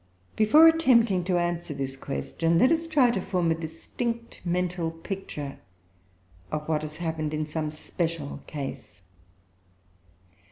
Before attempting to answer this question, let us try to form a distinct mental picture of what has happened in some special case.